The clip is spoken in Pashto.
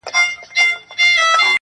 • د چا درمان وسو ارمان پوره سو -